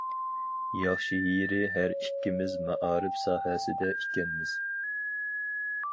ياخشى يېرى ھەر ئىككىمىز مائارىپ ساھەسىدە ئىكەنمىز.